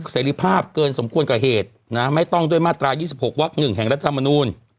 เสร็จภาพเกินสมควรกับเหตุนะไม่ต้องด้วยมาตรา๒๖วัก๑แห่งรัฐมนูล